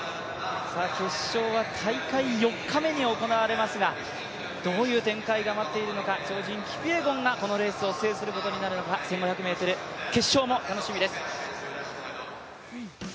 決勝は大会４日目に行われますがどういう展開が待っているのか、超人キピエゴンがこのレースを制することになるのか、１５００ｍ決勝も楽しみです。